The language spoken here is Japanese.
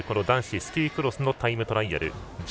男子スキークロスのタイムトライアル。